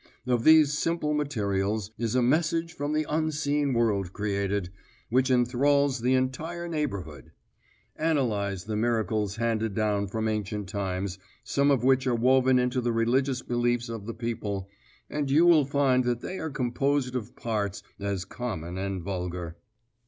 Of these simple materials is a message from the unseen world created, which enthrals the entire neighbourhood. Analyse the miracles handed down from ancient times, some of which are woven into the religious beliefs of the people, and you will find that they are composed of parts as common and vulgar."